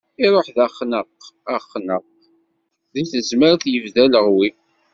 Iruḥ d axnaq axnaq, deg Tezmalt yebda aleɣwi.